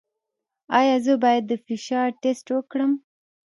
ایا زه باید د فشار ټسټ وکړم؟